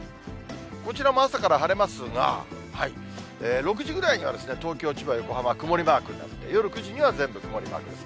こちらも朝から晴れますが、６時ぐらいには東京、千葉、横浜、曇りマークになって、夜９時には全部曇りマークです。